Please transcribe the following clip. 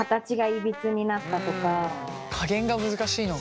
加減が難しいのか。